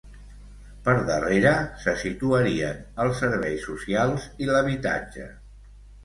Per darrere, se situarien els serveis socials i l'habitatge.